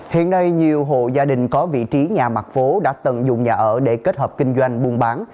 hiện nay nhiều hộ gia đình có vị trí nhà mặt phố đã tận dụng nhà ở để kết hợp kinh doanh buôn bán